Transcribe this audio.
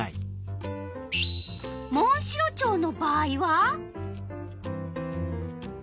モンシロチョウの場合は？